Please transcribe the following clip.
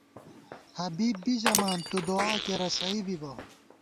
حبیب بی ژَمان ، تُو دُعا کېرہ سَئ بِسہ